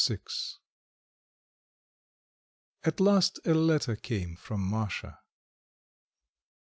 XIX At last a letter came from Masha.